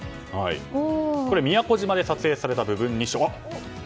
宮古島で撮影された部分日食です。